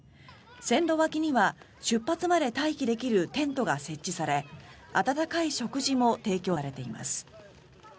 線路脇には出発まで待機できるテントが設置され温かい食事も提供されています。